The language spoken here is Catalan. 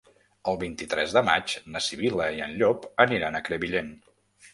El vint-i-tres de maig na Sibil·la i en Llop aniran a Crevillent.